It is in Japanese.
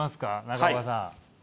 中岡さん。